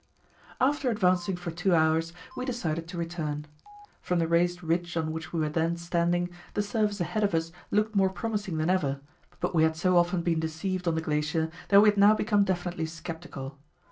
After advancing for two hours, we decided to return. From the raised ridge on which we were then standing, the surface ahead of us looked more promising than ever; but we had so often been deceived on the glacier that we had now become definitely sceptical.